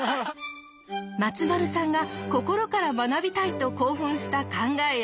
松丸さんが心から学びたいと興奮した考えや体験とは？